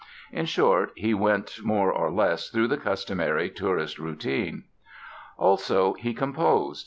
In short, he went more or less through the customary tourist routine. Also, he composed.